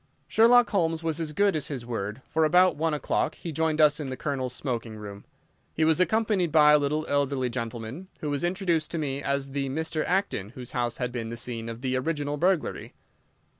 Sherlock Holmes was as good as his word, for about one o'clock he rejoined us in the Colonel's smoking room. He was accompanied by a little elderly gentleman, who was introduced to me as the Mr. Acton whose house had been the scene of the original burglary.